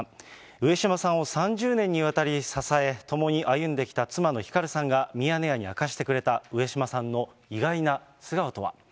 上島さんを３０年にわたり支え、共に歩んできた妻のひかるさんが、ミヤネ屋に明かしてくれた上島さんの意外な素顔とは。